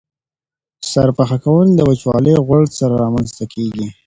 د سر پخه کول د وچوالي او غوړ سره رامنځته کیږي.